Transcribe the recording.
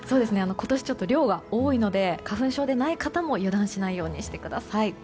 今年ちょっと量が多いので花粉症でない方も油断しないようにしてください。